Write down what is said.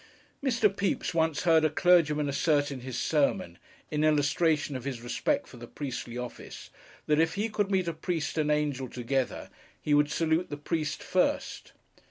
MR. PEPYS once heard a clergyman assert in his sermon, in illustration of his respect for the Priestly office, that if he could meet a Priest and angel together, he would salute the Priest first.